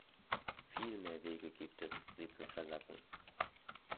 Viel mehr Wege gibt es, sie zu verlassen.